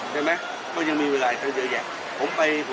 ใช่ไหมก็ยังมีเวลาอีกตั้งเยอะแยะ